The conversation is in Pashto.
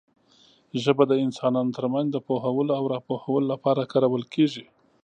ژبه د انسانانو ترمنځ د پوهولو او راپوهولو لپاره کارول کېږي.